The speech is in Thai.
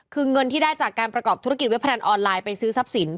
คือเงินที่ได้จากการประกอบธุรกิจเว็บพนันออนไลน์ไปซื้อทรัพย์สิน